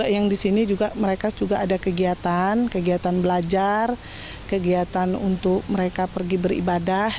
yang disini juga mereka ada kegiatan kegiatan belajar kegiatan untuk mereka pergi beribadah